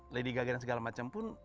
lady gage dan segala macam pun